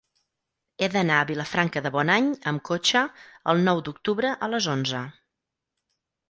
He d'anar a Vilafranca de Bonany amb cotxe el nou d'octubre a les onze.